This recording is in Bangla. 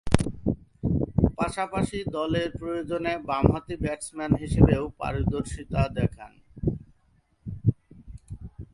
পাশাপাশি, দলের প্রয়োজনে বামহাতি ব্যাটসম্যান হিসেবেও পারদর্শিতা দেখান।